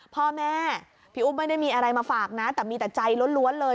พ่อแม่พี่อุ๊บไม่ได้มีอะไรมาฝากนะแต่มีแต่ใจล้วนเลย